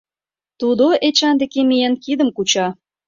Тудо, Эчан деке миен, кидым куча.